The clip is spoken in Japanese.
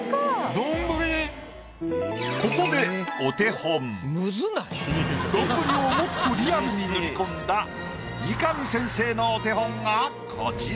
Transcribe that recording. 丼をもっとリアルに塗り込んだ三上先生のお手本がこちら。